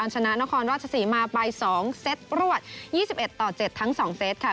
ชนะนครราชศรีมาไป๒เซตรวด๒๑ต่อ๗ทั้ง๒เซตค่ะ